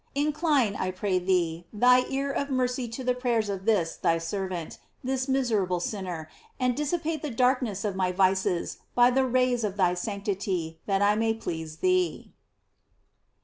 Incline, I pray thee, thy ear of mercy to the prayers of this thy servant, this miserable sinner, and dissipate the darkness of my vices by the rays of thy sanctity, that I may please thee.